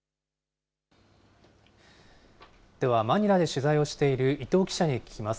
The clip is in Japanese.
では、マニラで取材をしている伊藤記者に聞きます。